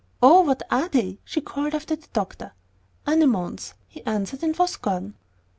"Oh, what are they?" she called after the doctor. "Anemones," he answered, and was gone.